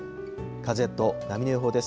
風と波の予報です。